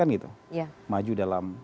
kan gitu maju dalam